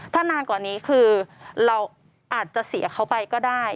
ถ้านานกว่านี้คือเราอาจจะเสียเขาไปก็ได้